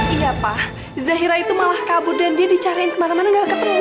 iya pak zahira itu malah kabur dan dia dicariin kemana mana gak ketemu